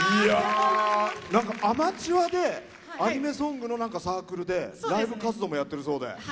アマチュアでアニメソングのサークルでライブ活動もやってるそうで。